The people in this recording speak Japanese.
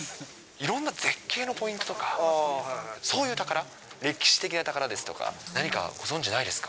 いろんな絶景のポイントとか、そういう宝、歴史的な宝ですとか、何かご存じないですか。